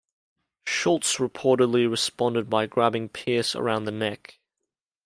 Schultz reportedly responded by grabbing Pearce around the neck.